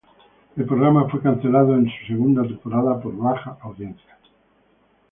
El programa fue cancelado en su segunda temporada por baja audiencia.